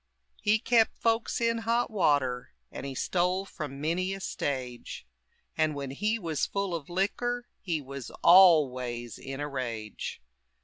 He kept folks in hot water, And he stole from many a stage; And when he was full of liquor He was always in a rage.